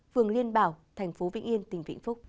phường liên bảo tp vĩnh yên tỉnh vĩnh phúc